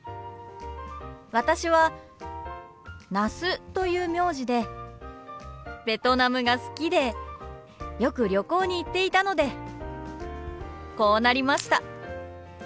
私は那須という名字でベトナムが好きでよく旅行に行っていたのでこうなりました。